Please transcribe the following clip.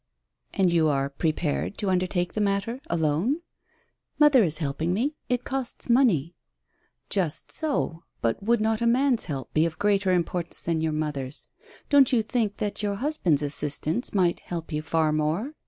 "And you are prepared to undertake the matter alone?" "Mother is helping me it costs money." "Just so. But would not a man's help be of greater importance than your mother's? Don't you think that your husband's assistance might help you far more?